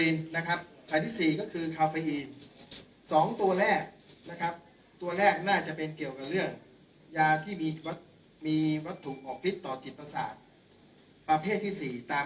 อันที่๔ก็คือคาเฟอีน๒ตัวแรกนะครับตัวแรกน่าจะเป็นเกี่ยวกับเรื่องยาที่มีวัตถุออกพิษต่อจิตประสาทประเภทที่๔ตาม